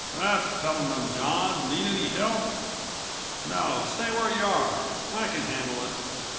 "That's telling them, John! Need any help?" "No, stay where you are. I can handle it."